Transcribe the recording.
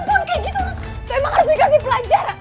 perempuan kayak gitu harus dikasih pelajaran